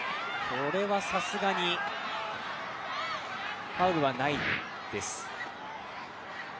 これはさすがにファウルはないです。